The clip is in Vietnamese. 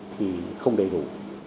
thì không đầy đủ